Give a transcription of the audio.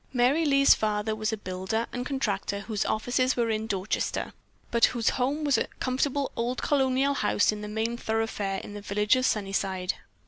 Merry Lee's father was a builder and contractor whose offices were in Dorchester, but whose home was a comfortable old colonial house on the main thoroughfare in the village of Sunnyside.